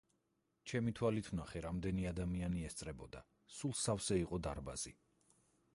ჩემი თვალით ვნახე, რამდენი ადამიანი ესწრებოდა, სულ სავსე იყო დარბაზი.